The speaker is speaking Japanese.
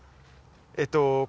えっと